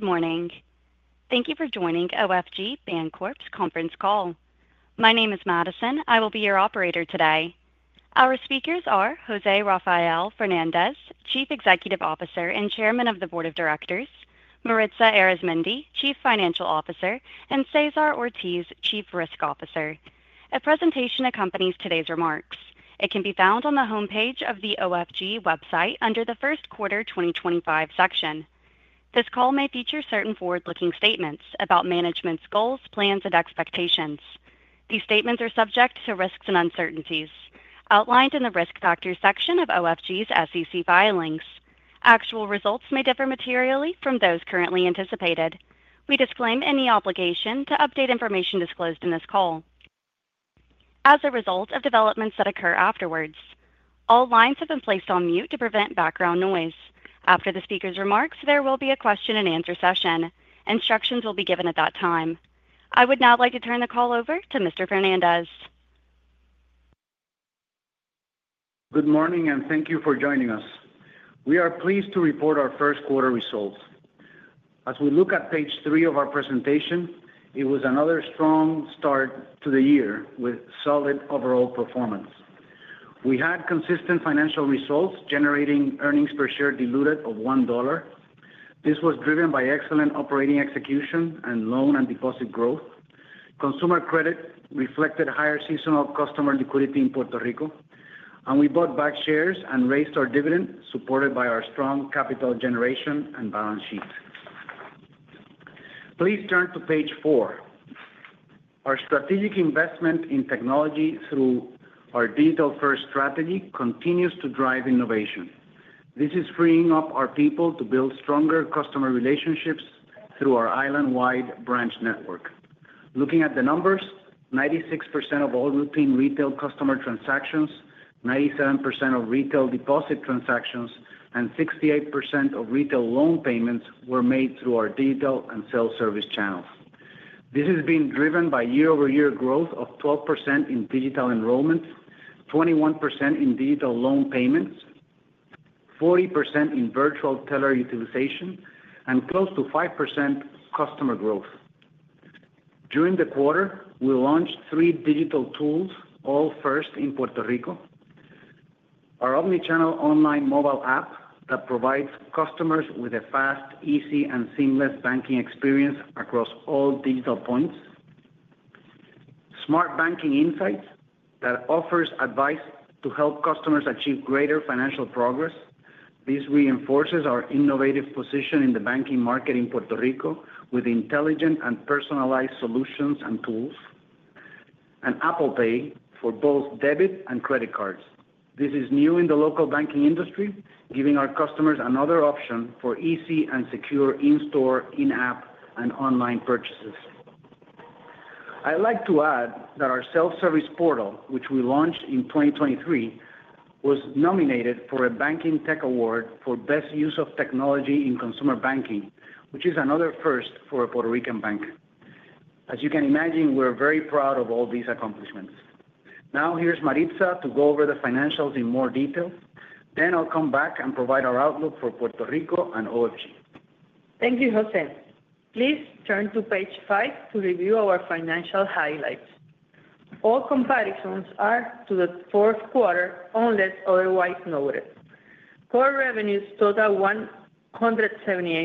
Good morning. Thank you for joining OFG Bancorp's conference call. My name is Madison. I will be your operator today. Our speakers are José Rafael Fernández, Chief Executive Officer and Chairman of the Board of Directors; Maritza Arizmendi, Chief Financial Officer; and César Ortiz, Chief Risk Officer. A presentation accompanies today's remarks. It can be found on the homepage of the OFG website under the First Quarter 2025 section. This call may feature certain forward-looking statements about management's goals, plans, and expectations. These statements are subject to risks and uncertainties, outlined in the risk factors section of OFG's SEC filings. Actual results may differ materially from those currently anticipated. We disclaim any obligation to update information disclosed in this call as a result of developments that occur afterwards. All lines have been placed on mute to prevent background noise. After the speaker's remarks, there will be a question-and-answer session. Instructions will be given at that time. I would now like to turn the call over to Mr. Fernández. Good morning, and thank you for joining us. We are pleased to report our first quarter results. As we look at page three of our presentation, it was another strong start to the year with solid overall performance. We had consistent financial results, generating earnings per share diluted of $1. This was driven by excellent operating execution and loan and deposit growth. Consumer credit reflected a higher seasonal customer liquidity in Puerto Rico, and we bought back shares and raised our dividend, supported by our strong capital generation and balance sheet. Please turn to page four. Our strategic investment in technology through our digital-first strategy continues to drive innovation. This is freeing up our people to build stronger customer relationships through our island-wide branch network. Looking at the numbers, 96% of all routine retail customer transactions, 97% of retail deposit transactions, and 68% of retail loan payments were made through our digital and self-service channels. This has been driven by year-over-year growth of 12% in digital enrollment, 21% in digital loan payments, 40% in virtual teller utilization, and close to 5% customer growth. During the quarter, we launched three digital tools, all first in Puerto Rico: our omnichannel online mobile app that provides customers with a fast, easy, and seamless banking experience across all digital points; Smart Banking Insights that offer advice to help customers achieve greater financial progress. This reinforces our innovative position in the banking market in Puerto Rico with intelligent and personalized solutions and tools; and Apple Pay for both debit and credit cards. This is new in the local banking industry, giving our customers another option for easy and secure in-store, in-app, and online purchases. I'd like to add that our self-service portal, which we launched in 2023, was nominated for a Banking Tech Award for Best Use of Technology in Consumer Banking, which is another first for a Puerto Rican bank. As you can imagine, we're very proud of all these accomplishments. Now, here's Maritza to go over the financials in more detail. I will come back and provide our outlook for Puerto Rico and OFG. Thank you, José. Please turn to page five to review our financial highlights. All comparisons are to the fourth quarter, unless otherwise noted. Core revenues total $178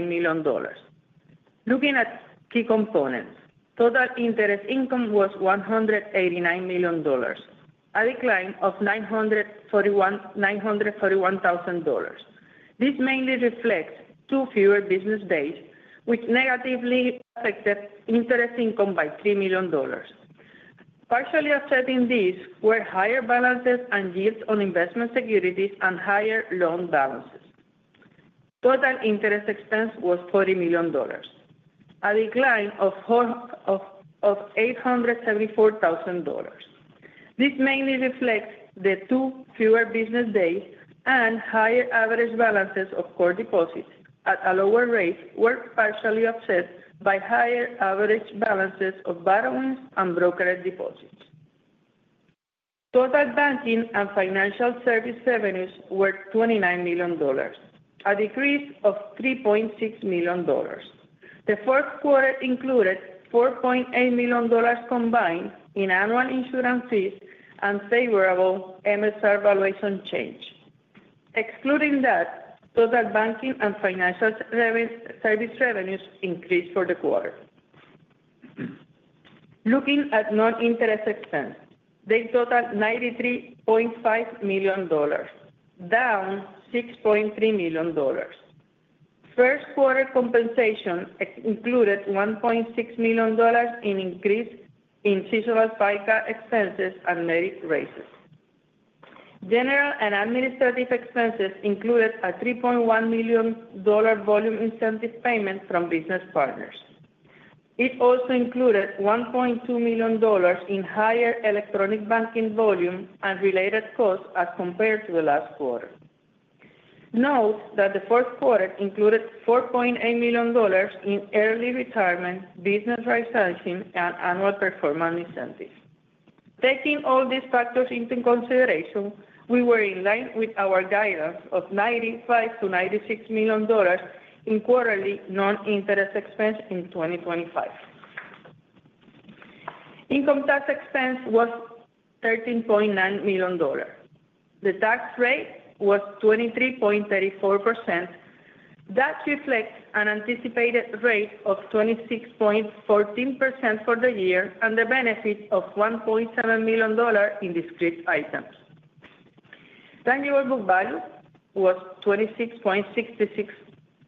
million. Looking at key components, total interest income was $189 million, a decline of $941,000. This mainly reflects two fewer business days, which negatively affected interest income by $3 million. Partially affecting these were higher balances and yields on investment securities and higher loan balances. Total interest expense was $40 million, a decline of $874,000. This mainly reflects the two fewer business days and higher average balances of core deposits at a lower rate, which were partially offset by higher average balances of borrowings and brokered deposits. Total banking and financial service revenues were $29 million, a decrease of $3.6 million. The fourth quarter included $4.8 million combined in annual insurance fees and favorable MSR valuation change. Excluding that, total banking and financial service revenues increased for the quarter. Looking at non-interest expense, they totaled $93.5 million, down $6.3 million. First quarter compensation included $1.6 million in increase in seasonal FICA expenses and merit raises. General and administrative expenses included a $3.1 million volume incentive payment from business partners. It also included $1.2 million in higher electronic banking volume and related costs as compared to the last quarter. Note that the fourth quarter included $4.8 million in early retirement, business rightsizing, and annual performance incentives. Taking all these factors into consideration, we were in line with our guidance of $95-$96 million in quarterly non-interest expense in 2025. Income tax expense was $13.9 million. The tax rate was 23.34%. That reflects an anticipated rate of 26.14% for the year and the benefit of $1.7 million in discrete items. Tangible book value was $26.66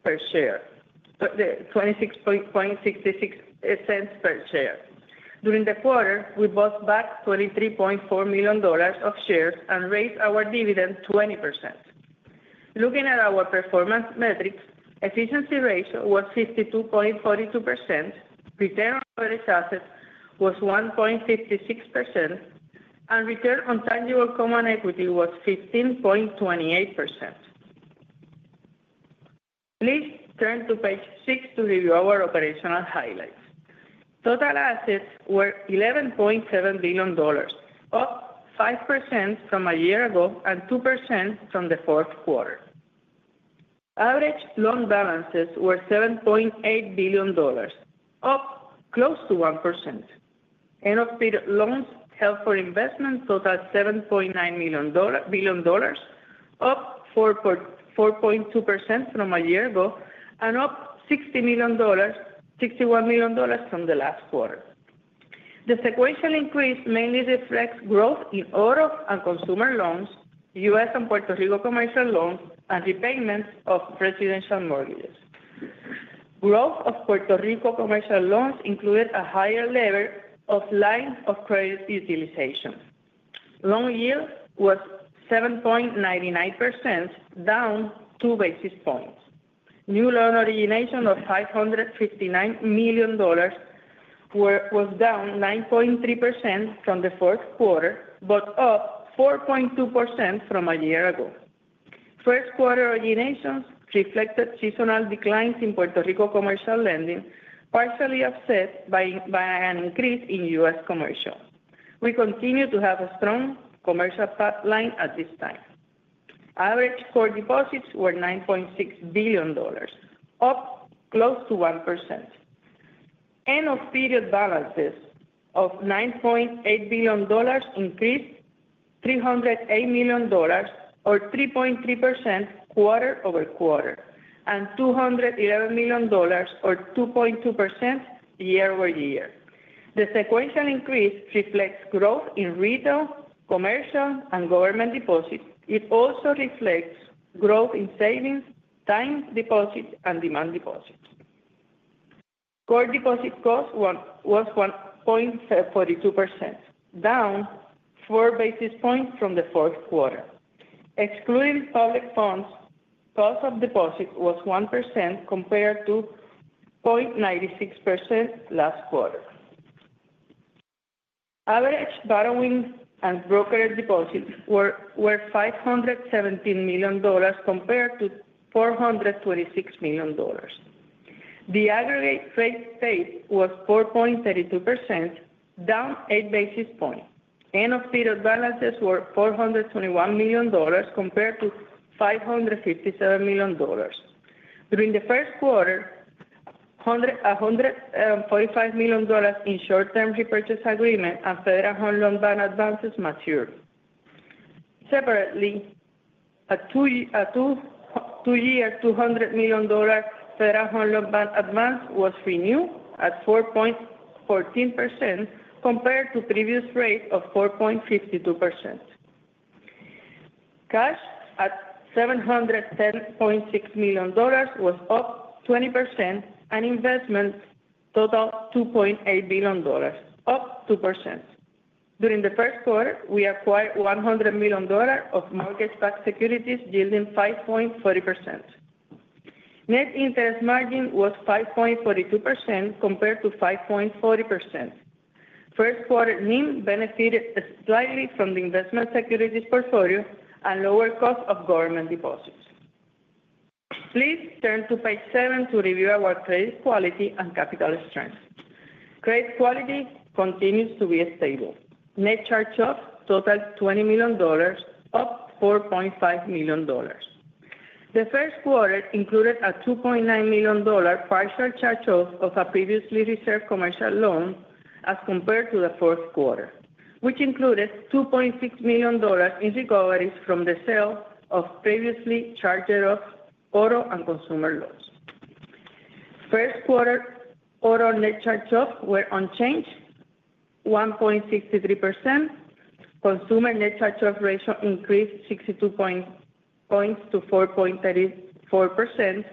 per share, $0.2666 per share. During the quarter, we bought back $23.4 million of shares and raised our dividend 20%. Looking at our performance metrics, efficiency ratio was 52.42%, return on average assets was 1.56%, and return on tangible common equity was 15.28%. Please turn to page six to review our operational highlights. Total assets were $11.7 billion, up 5% from a year ago and 2% from the fourth quarter. Average loan balances were $7.8 billion, up close to 1%. End-of-period loans held for investment totaled $7.9 billion, up 4.2% from a year ago and up $61 million from the last quarter. The sequential increase mainly reflects growth in auto and consumer loans, U.S. and Puerto Rico commercial loans, and repayments of residential mortgages. Growth of Puerto Rico commercial loans included a higher level of line of credit utilization. Loan yield was 7.99%, down two basis points. New loan origination of $559 million was down 9.3% from the fourth quarter, but up 4.2% from a year ago. First quarter originations reflected seasonal declines in Puerto Rico commercial lending, partially offset by an increase in U.S. commercial. We continue to have a strong commercial pipeline at this time. Average core deposits were $9.6 billion, up close to 1%. End-of-period balances of $9.8 billion increased $308 million, or 3.3% quarter over quarter, and $211 million, or 2.2% year over year. The sequential increase reflects growth in retail, commercial, and government deposits. It also reflects growth in savings, time deposits, and demand deposits. Core deposit cost was 1.42%, down four basis points from the fourth quarter. Excluding public funds, cost of deposit was 1% compared to 0.96% last quarter. Average borrowing and brokered deposits were $517 million compared to $426 million. The aggregate rate paid was 4.32%, down eight basis points. End-of-period balances were $421 million compared to $557 million. During the first quarter, $145 million in short-term repurchase agreement and Federal Home Loan Bank advances matured. Separately, a two-year $200 million Federal Home Loan Bank advance was renewed at 4.14% compared to previous rate of 4.52%. Cash at $710.6 million was up 20%, and investment totaled $2.8 billion, up 2%. During the first quarter, we acquired $100 million of mortgage-backed securities, yielding 5.40%. Net interest margin was 5.42% compared to 5.40%. First quarter NIM benefited slightly from the investment securities portfolio and lower cost of government deposits. Please turn to page seven to review our credit quality and capital strength. Credit quality continues to be stable. Net charge-off totaled $20 million, up $4.5 million. The first quarter included a $2.9 million partial charge-off of a previously reserved commercial loan as compared to the fourth quarter, which included $2.6 million in recoveries from the sale of previously charged off auto and consumer loans. First quarter auto net charge-offs were unchanged, 1.63%. Consumer net charge-off ratio increased 62 basis points to 4.34%,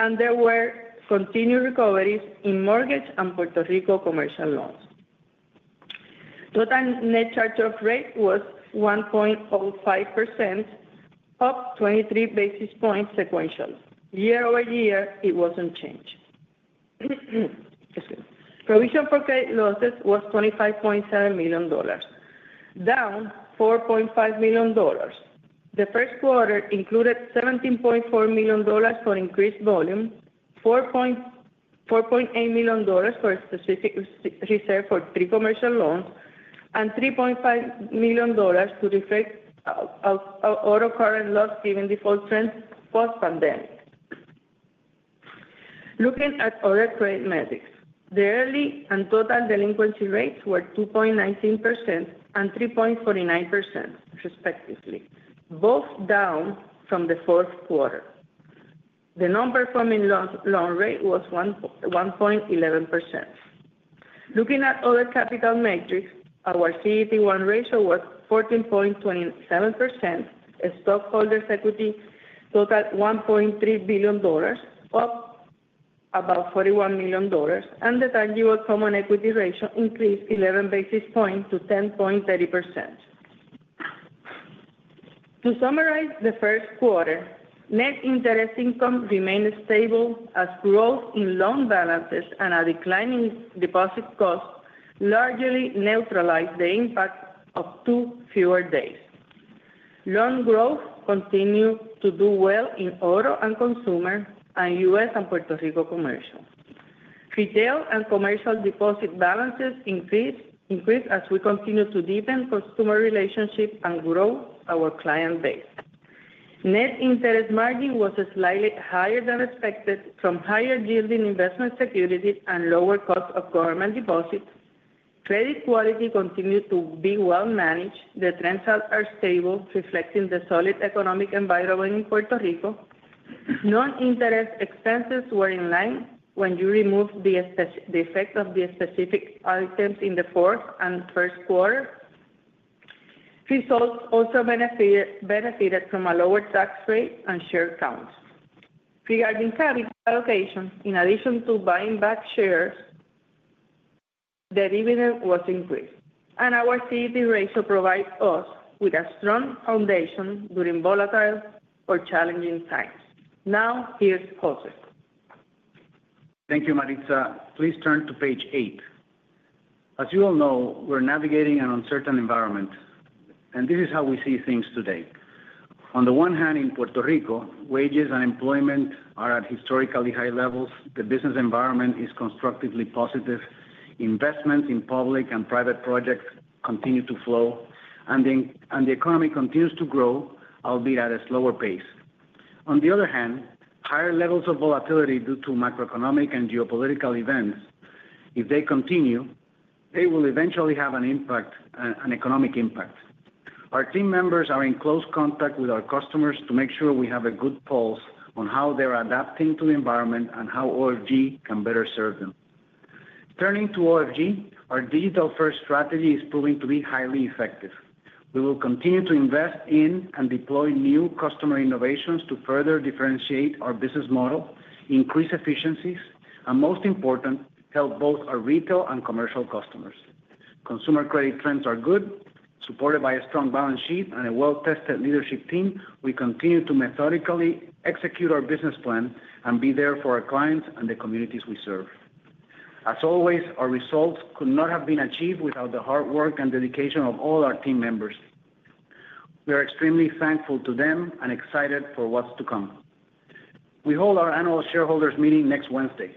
and there were continued recoveries in mortgage and Puerto Rico commercial loans. Total net charge-off rate was 1.05%, up 23 basis points sequentially. Year over year, it was unchanged. Provision for credit losses was $25.7 million, down $4.5 million. The first quarter included $17.4 million for increased volume, $4.8 million for specific reserve for three commercial loans, and $3.5 million to reflect auto current loss given default trends post-pandemic. Looking at other credit metrics, the early and total delinquency rates were 2.19% and 3.49%, respectively, both down from the fourth quarter. The non-performing loan rate was 1.11%. Looking at other capital metrics, our CET1 ratio was 14.27%. Stockholders' equity totaled $1.3 billion, up about $41 million, and the tangible common equity ratio increased 11 basis points to 10.30%. To summarize the first quarter, net interest income remained stable as growth in loan balances and a declining deposit cost largely neutralized the impact of two fewer days. Loan growth continued to do well in auto and consumer and U.S. and Puerto Rico commercial. Retail and commercial deposit balances increased as we continued to deepen customer relationships and grow our client base. Net interest margin was slightly higher than expected from higher yielding investment securities and lower cost of government deposits. Credit quality continued to be well managed. The trends are stable, reflecting the solid economic environment in Puerto Rico. Non-interest expenses were in line when you removed the effect of the specific items in the fourth and first quarter. Results also benefited from a lower tax rate and share counts. Regarding capital allocation, in addition to buying back shares, the dividend was increased, and our CET1 ratio provides us with a strong foundation during volatile or challenging times. Now, here's José. Thank you, Maritza. Please turn to page eight. As you all know, we're navigating an uncertain environment, and this is how we see things today. On the one hand, in Puerto Rico, wages and employment are at historically high levels. The business environment is constructively positive. Investments in public and private projects continue to flow, and the economy continues to grow, albeit at a slower pace. On the other hand, higher levels of volatility due to macroeconomic and geopolitical events, if they continue, they will eventually have an impact, an economic impact. Our team members are in close contact with our customers to make sure we have a good pulse on how they're adapting to the environment and how OFG can better serve them. Turning to OFG, our digital-first strategy is proving to be highly effective. We will continue to invest in and deploy new customer innovations to further differentiate our business model, increase efficiencies, and most important, help both our retail and commercial customers. Consumer credit trends are good. Supported by a strong balance sheet and a well-tested leadership team, we continue to methodically execute our business plan and be there for our clients and the communities we serve. As always, our results could not have been achieved without the hard work and dedication of all our team members. We are extremely thankful to them and excited for what's to come. We hold our annual shareholders' meeting next Wednesday.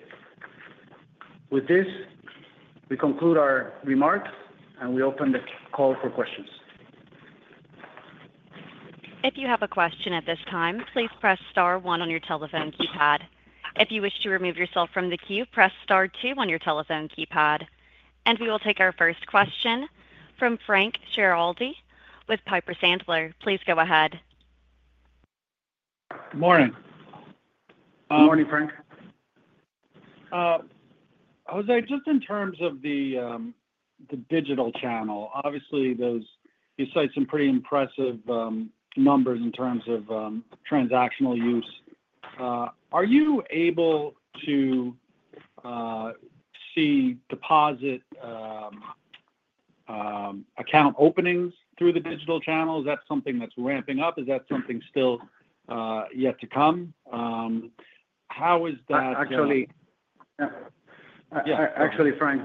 With this, we conclude our remarks, and we open the call for questions. If you have a question at this time, please press star one on your telephone keypad. If you wish to remove yourself from the queue, press star two on your telephone keypad. We will take our first question from Frank Schiraldi with Piper Sandler. Please go ahead. Good morning. Good morning, Frank. José, just in terms of the digital channel, obviously, you cite some pretty impressive numbers in terms of transactional use. Are you able to see deposit account openings through the digital channel? Is that something that's ramping up? Is that something still yet to come? How is that? Actually, Frank.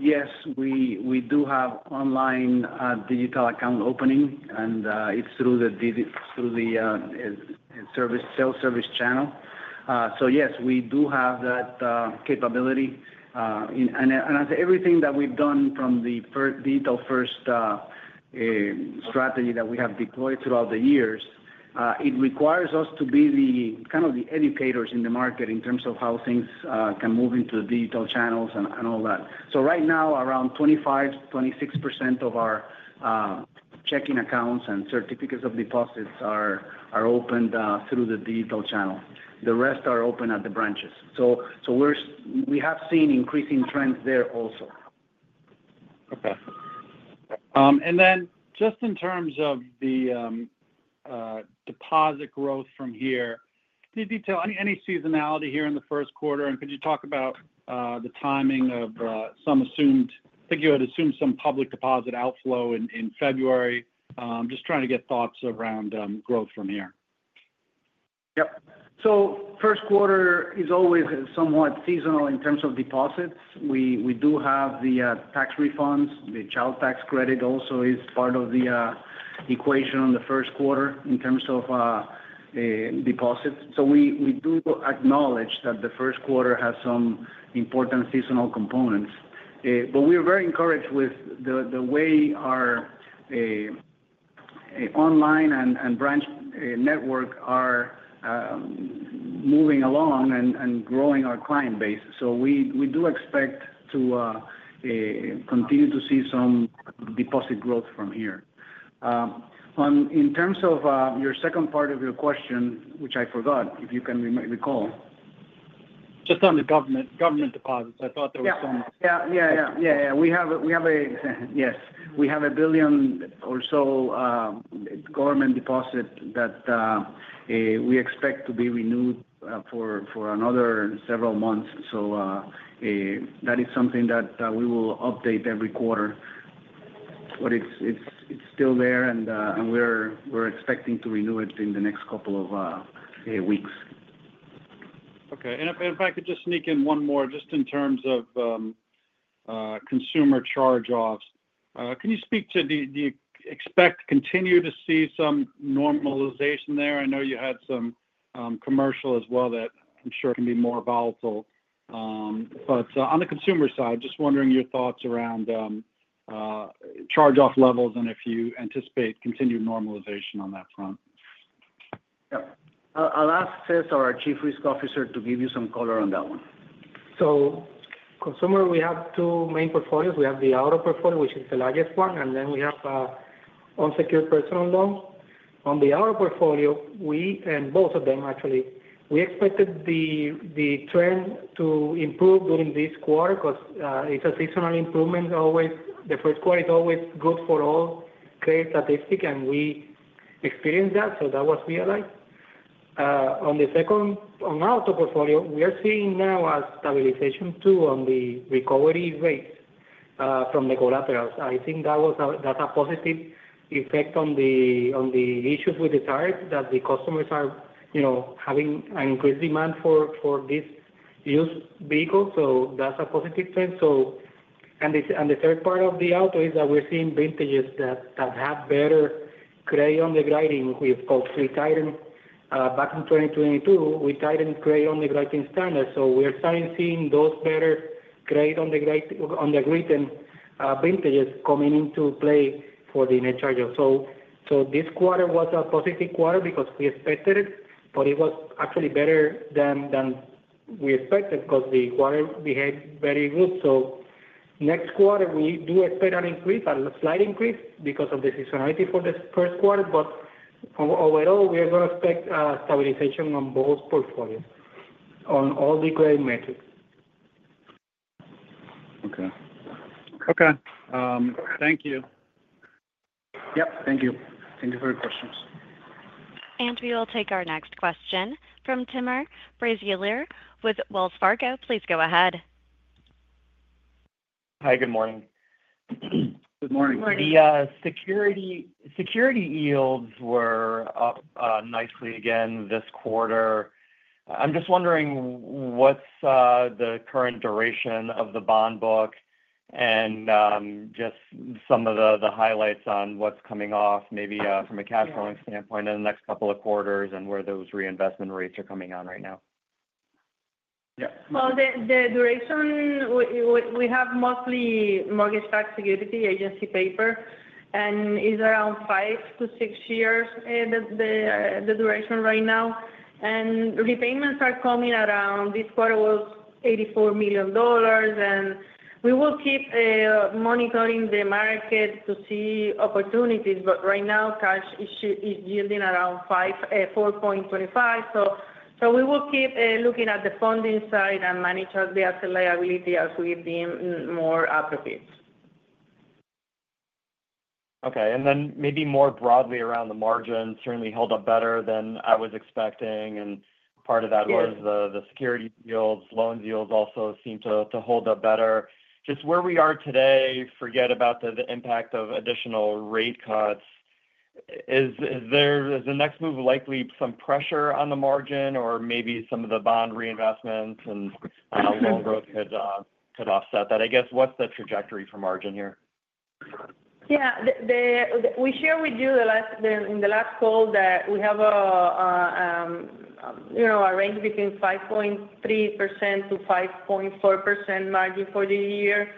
Yes, we do have online digital account opening, and it's through the self-service channel. Yes, we do have that capability. As everything that we've done from the digital-first strategy that we have deployed throughout the years, it requires us to be kind of the educators in the market in terms of how things can move into digital channels and all that. Right now, around 25-26% of our checking accounts and certificates of deposits are opened through the digital channel. The rest are opened at the branches. We have seen increasing trends there also. Okay. In terms of the deposit growth from here, any seasonality here in the first quarter? Could you talk about the timing of some assumed, I think you had assumed some public deposit outflow in February, just trying to get thoughts around growth from here? Yep. First quarter is always somewhat seasonal in terms of deposits. We do have the tax refunds. The child tax credit also is part of the equation in the first quarter in terms of deposits. We do acknowledge that the first quarter has some important seasonal components. We are very encouraged with the way our online and branch network are moving along and growing our client base. We do expect to continue to see some deposit growth from here. In terms of your second part of your question, which I forgot, if you can recall. Just on the government deposits, I thought there was some. Yeah. We have a yes. We have a billion or so government deposit that we expect to be renewed for another several months. That is something that we will update every quarter. It is still there, and we are expecting to renew it in the next couple of weeks. Okay. If I could just sneak in one more, just in terms of consumer charge-offs, can you speak to do you expect to continue to see some normalization there? I know you had some commercial as well that I'm sure can be more volatile. On the consumer side, just wondering your thoughts around charge-off levels and if you anticipate continued normalization on that front. Yeah. I'll ask César, our Chief Risk Officer, to give you some color on that one. Consumer, we have two main portfolios. We have the auto portfolio, which is the largest one, and then we have unsecured personal loans. On the auto portfolio, we and both of them, actually, we expected the trend to improve during this quarter because it's a seasonal improvement. The first quarter is always good for all credit statistics, and we experienced that, so that was realized. On the auto portfolio, we are seeing now a stabilization too on the recovery rates from the collaterals. I think that's a positive effect on the issues with the tariffs that the customers are having an increased demand for this used vehicle. That's a positive trend. The third part of the auto is that we're seeing vintages that have better credit underwriting we've called pre-tightening. Back in 2022, we tightened credit underwriting standards. We are starting to see those better credit underwriting vintages coming into play for the net charge-off. This quarter was a positive quarter because we expected it, but it was actually better than we expected because the quarter behaved very good. Next quarter, we do expect an increase, a slight increase because of the seasonality for the first quarter. Overall, we are going to expect stabilization on both portfolios, on all the credit metrics. Okay. Okay. Thank you. Yep. Thank you. Thank you for your questions. We will take our next question from Timur Braziler with Wells Fargo. Please go ahead. Hi, good morning. Good morning. The security yields were up nicely again this quarter. I'm just wondering what's the current duration of the bond book and just some of the highlights on what's coming off, maybe from a cash flowing standpoint in the next couple of quarters and where those reinvestment rates are coming on right now. Yeah. The duration, we have mostly mortgage-backed security agency paper, and it is around five to six years the duration right now. Repayments are coming around. This quarter was $84 million, and we will keep monitoring the market to see opportunities. Right now, cash is yielding around 4.25%. We will keep looking at the funding side and manage the asset liability as we deem more appropriate. Okay. Maybe more broadly around the margins, certainly held up better than I was expecting. Part of that was the security yields. Loans yields also seem to hold up better. Just where we are today, forget about the impact of additional rate cuts. Is the next move likely some pressure on the margin or maybe some of the bond reinvestments and loan growth could offset that? I guess, what's the trajectory for margin here? Yeah. We shared with you in the last call that we have a range between 5.3%-5.4% margin for the year.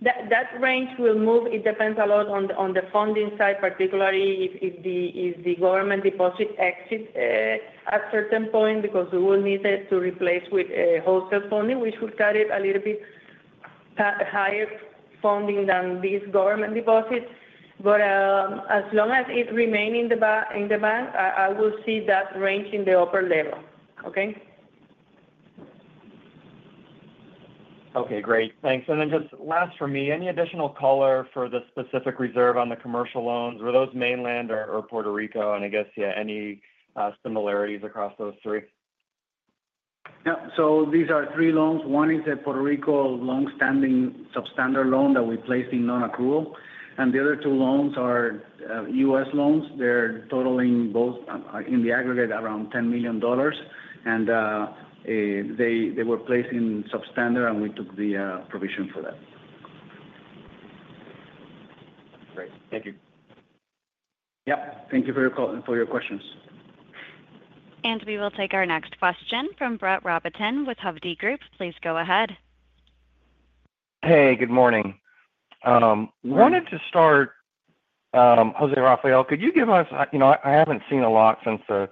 That range will move. It depends a lot on the funding side, particularly if the government deposit exits at a certain point because we will need to replace with wholesale funding, which will create a little bit higher funding than this government deposit. As long as it remains in the bank, I will see that range in the upper level. Okay? Okay. Great. Thanks. Just last for me, any additional color for the specific reserve on the commercial loans? Were those mainland or Puerto Rico? I guess, yeah, any similarities across those three? Yeah. These are three loans. One is a Puerto Rico long-standing substandard loan that we placed in non-accrual. The other two loans are U.S. loans. They are totaling both in the aggregate around $10 million. They were placed in substandard, and we took the provision for that. Great. Thank you. Yep. Thank you for your questions. We will take our next question from Brett Rabatin with Hovde Group. Please go ahead. Hey, good morning. Wanted to start, José Rafael, could you give us I haven't seen a lot since the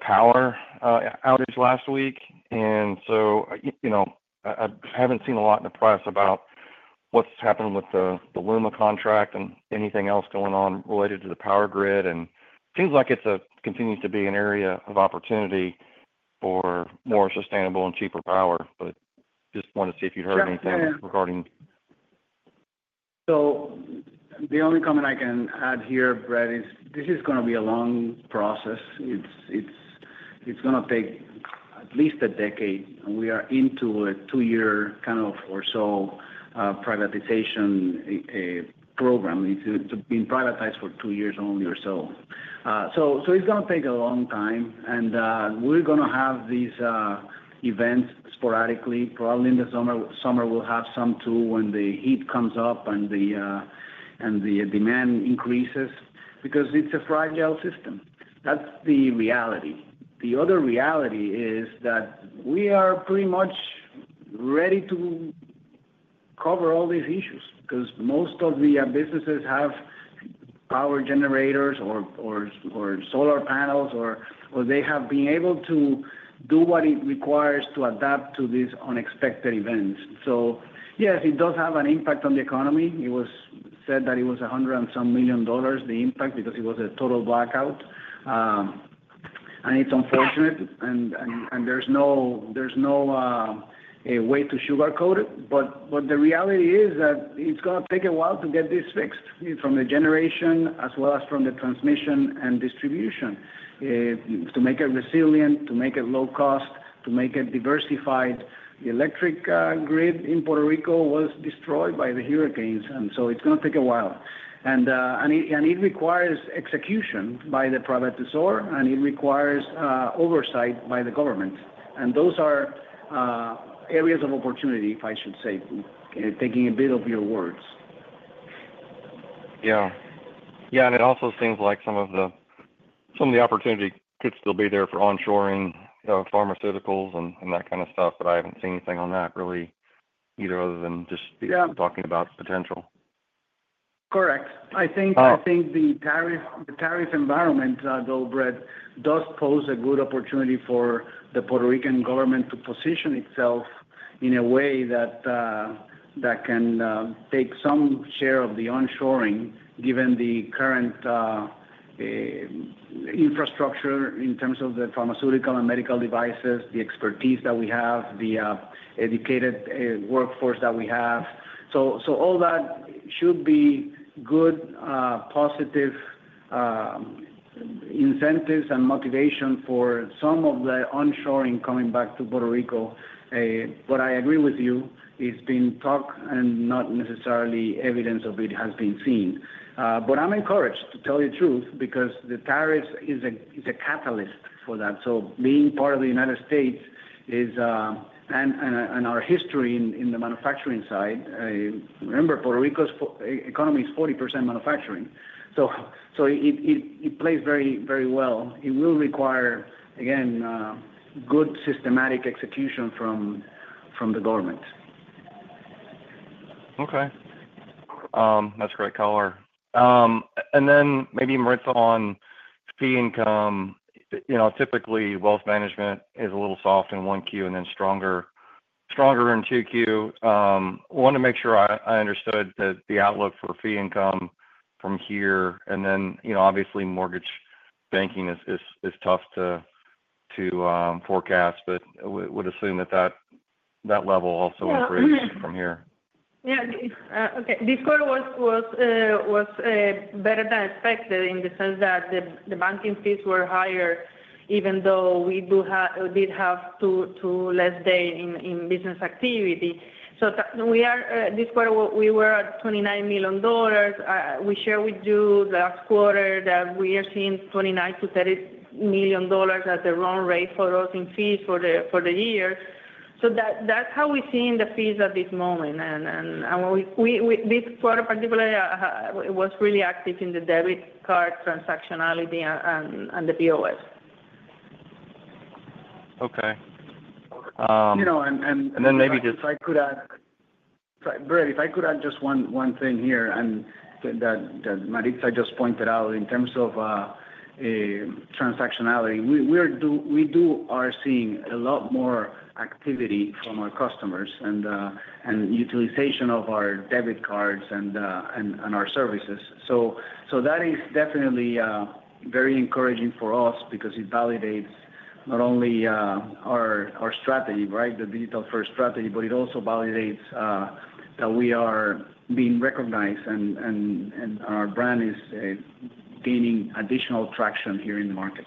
power outage last week. I haven't seen a lot in the press about what's happened with the LUMA contract and anything else going on related to the power grid. It seems like it continues to be an area of opportunity for more sustainable and cheaper power. Just wanted to see if you'd heard anything regarding. The only comment I can add here, Brett, is this is going to be a long process. It's going to take at least a decade. We are into a two-year kind of or so privatization program. It's been privatized for two years only or so. It's going to take a long time. We're going to have these events sporadically. Probably in the summer, we'll have some too when the heat comes up and the demand increases because it's a fragile system. That's the reality. The other reality is that we are pretty much ready to cover all these issues because most of the businesses have power generators or solar panels, or they have been able to do what it requires to adapt to these unexpected events. Yes, it does have an impact on the economy. It was said that it was $100 and some million dollars, the impact, because it was a total blackout. It is unfortunate, and there is no way to sugarcoat it. The reality is that it is going to take a while to get this fixed from the generation as well as from the transmission and distribution to make it resilient, to make it low cost, to make it diversified. The electric grid in Puerto Rico was destroyed by the hurricanes. It is going to take a while. It requires execution by the private sector, and it requires oversight by the government. Those are areas of opportunity, if I should say, taking a bit of your words. Yeah. Yeah. It also seems like some of the opportunity could still be there for onshoring pharmaceuticals and that kind of stuff. I have not seen anything on that really, either other than just talking about potential. Correct. I think the tariff environment, though, Brett, does pose a good opportunity for the Puerto Rican government to position itself in a way that can take some share of the onshoring given the current infrastructure in terms of the pharmaceutical and medical devices, the expertise that we have, the educated workforce that we have. All that should be good, positive incentives and motivation for some of the onshoring coming back to Puerto Rico. I agree with you. It's been talk and not necessarily evidence of it has been seen. I'm encouraged, to tell you the truth, because the tariffs is a catalyst for that. Being part of the United States and our history in the manufacturing side, remember, Puerto Rico's economy is 40% manufacturing. It plays very, very well. It will require, again, good systematic execution from the government. Okay. That's great color. Maybe more on fee income. Typically, wealth management is a little soft in 1Q and then stronger in 2Q. I want to make sure I understood the outlook for fee income from here. Obviously, mortgage banking is tough to forecast, but would assume that that level also will increase from here. Yeah. Okay. This quarter was better than expected in the sense that the banking fees were higher, even though we did have two less days in business activity. This quarter, we were at $29 million. We shared with you last quarter that we are seeing $29-$30 million as the run rate for us in fees for the year. That is how we are seeing the fees at this moment. This quarter, particularly, was really active in the debit card transactionality and the POS. Okay. Maybe just. If I could add, Brett, if I could add just one thing here that Maritza just pointed out in terms of transactionality, we are seeing a lot more activity from our customers and utilization of our debit cards and our services. That is definitely very encouraging for us because it validates not only our strategy, the digital-first strategy, but it also validates that we are being recognized and our brand is gaining additional traction here in the market.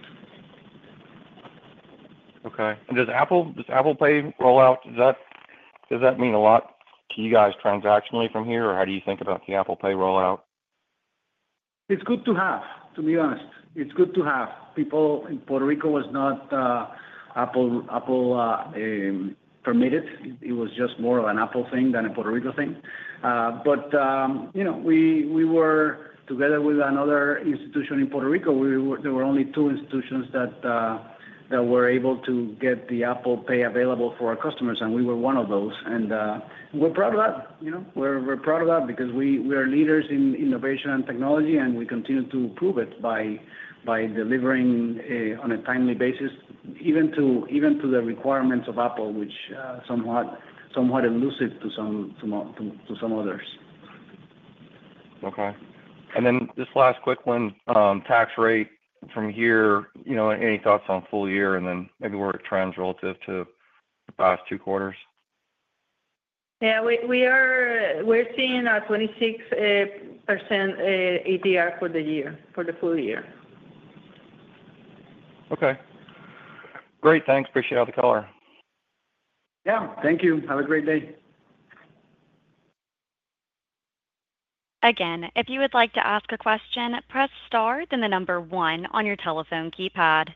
Okay. Does Apple Pay rollout, does that mean a lot to you guys transactionally from here, or how do you think about the Apple Pay rollout? It's good to have, to be honest. It's good to have. People in Puerto Rico were not Apple permitted. It was just more of an Apple thing than a Puerto Rico thing. We were together with another institution in Puerto Rico. There were only two institutions that were able to get the Apple Pay available for our customers, and we were one of those. We're proud of that. We're proud of that because we are leaders in innovation and technology, and we continue to prove it by delivering on a timely basis, even to the requirements of Apple, which are somewhat elusive to some others. Okay. This last quick one, tax rate from here, any thoughts on full year and then maybe where it trends relative to the past two quarters? Yeah. We're seeing a 26% ATR for the year, for the full year. Okay. Great. Thanks. Appreciate all the color. Yeah. Thank you. Have a great day. Again, if you would like to ask a question, press star then the number one on your telephone keypad.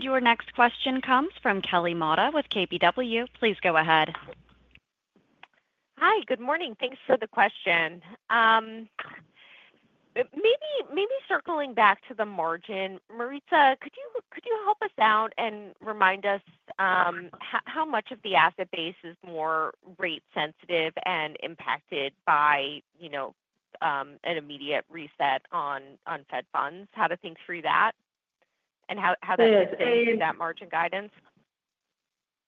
Your next question comes from Kelly Motta with KBW. Please go ahead. Hi, good morning. Thanks for the question. Maybe circling back to the margin, Maritza, could you help us out and remind us how much of the asset base is more rate-sensitive and impacted by an immediate reset on Fed funds? How to think through that and how that is in that margin guidance?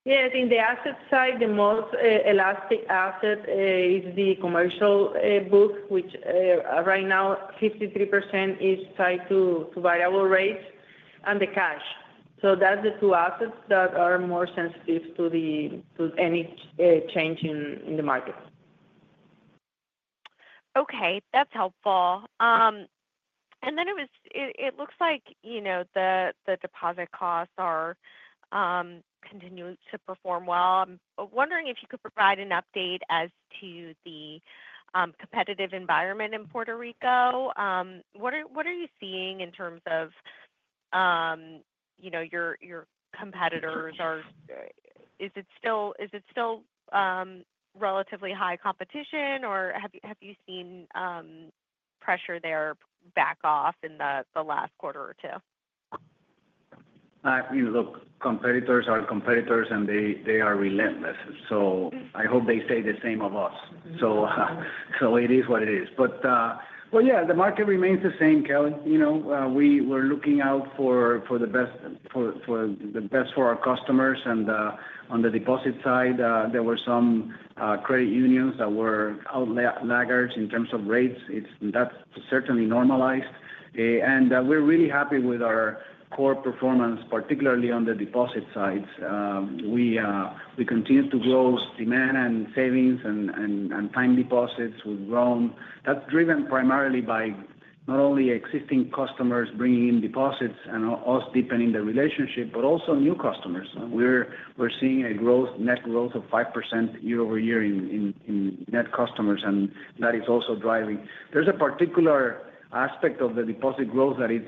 Yeah. In the asset side, the most elastic asset is the commercial book, which right now 53% is tied to variable rates and the cash. So that's the two assets that are more sensitive to any change in the market. Okay. That's helpful. It looks like the deposit costs are continuing to perform well. I'm wondering if you could provide an update as to the competitive environment in Puerto Rico. What are you seeing in terms of your competitors? Is it still relatively high competition, or have you seen pressure there back off in the last quarter or two? Look, competitors are competitors, and they are relentless. I hope they say the same of us. It is what it is. Yeah, the market remains the same, Kelly. We're looking out for the best for our customers. On the deposit side, there were some credit unions that were out laggards in terms of rates. That's certainly normalized. We're really happy with our core performance, particularly on the deposit sides. We continue to grow demand and savings and time deposits. That's driven primarily by not only existing customers bringing in deposits and us deepening the relationship, but also new customers. We're seeing a net growth of 5% year over year in net customers, and that is also driving. There's a particular aspect of the deposit growth that is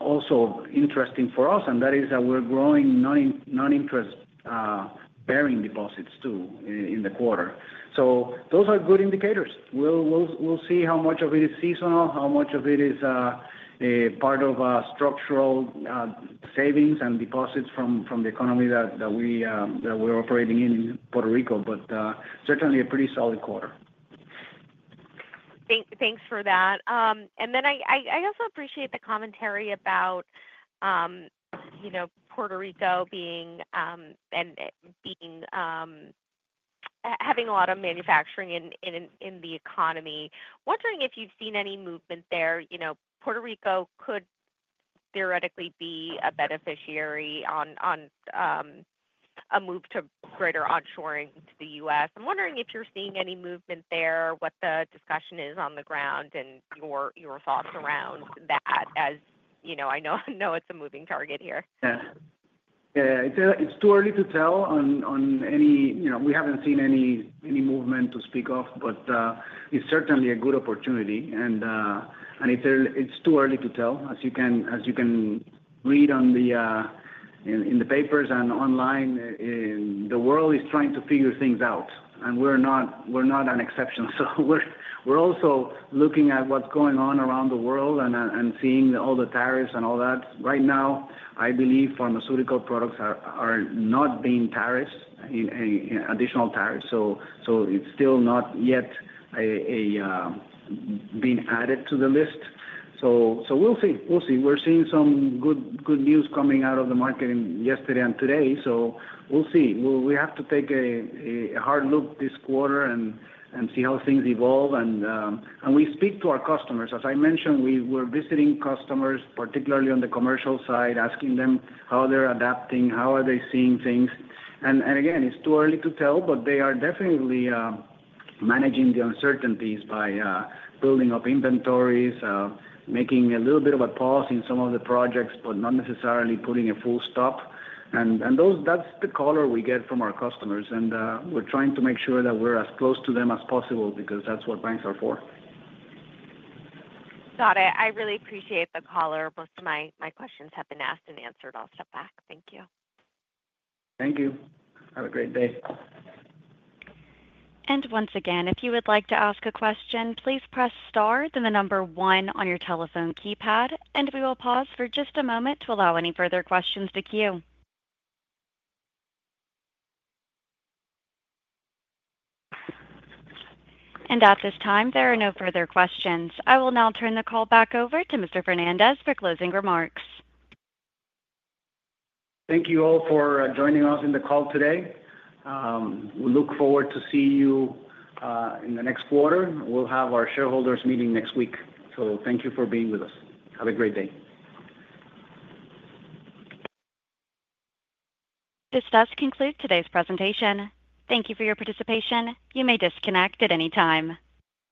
also interesting for us, and that is that we're growing non-interest-bearing deposits too in the quarter. Those are good indicators. We'll see how much of it is seasonal, how much of it is part of structural savings and deposits from the economy that we're operating in Puerto Rico, but certainly a pretty solid quarter. Thanks for that. I also appreciate the commentary about Puerto Rico having a lot of manufacturing in the economy. Wondering if you've seen any movement there. Puerto Rico could theoretically be a beneficiary on a move to greater onshoring to the U.S. I'm wondering if you're seeing any movement there, what the discussion is on the ground, and your thoughts around that, as I know it's a moving target here. Yeah. It's too early to tell on any. We haven't seen any movement to speak of, but it's certainly a good opportunity. It's too early to tell, as you can read in the papers and online. The world is trying to figure things out, and we're not an exception. We're also looking at what's going on around the world and seeing all the tariffs and all that. Right now, I believe pharmaceutical products are not being additional tariffs. It's still not yet being added to the list. We'll see. We'll see. We're seeing some good news coming out of the market yesterday and today. We'll see. We have to take a hard look this quarter and see how things evolve. We speak to our customers. As I mentioned, we were visiting customers, particularly on the commercial side, asking them how they're adapting, how are they seeing things. It's too early to tell, but they are definitely managing the uncertainties by building up inventories, making a little bit of a pause in some of the projects, but not necessarily putting a full stop. That's the color we get from our customers. We're trying to make sure that we're as close to them as possible because that's what banks are for. Got it. I really appreciate the color. Most of my questions have been asked and answered. I'll step back. Thank you. Thank you. Have a great day. Once again, if you would like to ask a question, please press star then the number one on your telephone keypad. We will pause for just a moment to allow any further questions to queue. At this time, there are no further questions. I will now turn the call back over to Mr. Fernández for closing remarks. Thank you all for joining us in the call today. We look forward to seeing you in the next quarter. We will have our shareholders meeting next week. Thank you for being with us. Have a great day. This does conclude today's presentation. Thank you for your participation. You may disconnect at any time.